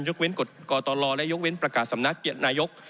ยกเว้นกฎกรตลอดและยกเว้นประกาศสำนักนายก